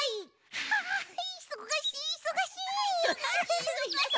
ああいそがしいいそがしい。